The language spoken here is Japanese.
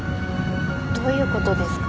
どういうことですか？